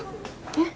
えっ？